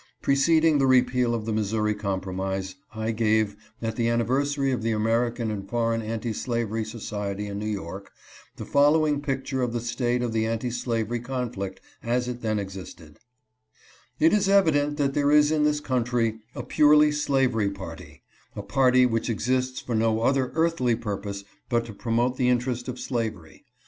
Preceding the repeal of the Missouri Compromise I gave, at the anniversary of the American and Foreign Anti Slavery Society in New York, the following pic ture of the state of the anti slavery conflict as it then existed : "It is evident that there is in this country a purely slavery party, a party which exists for no other earthly purpose but to promote the interest of slavery.